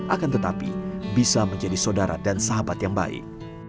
akan tetapi bisa menjadi saudara dan sahabat yang baik